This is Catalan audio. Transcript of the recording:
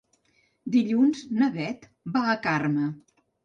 Dilluns na Beth va a Carme.